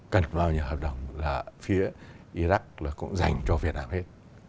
cần bao nhiêu hợp đồng là phía iraq cũng dành cho việt nam hết